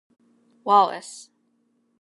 Wallace.